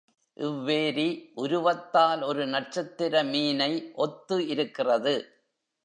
இவ்வேரி உருவத்தால் ஒரு நட்சத்திர மீனை ஒத்து இருக்கிறது.